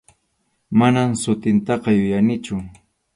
Manam sutintaqa yuyanichu.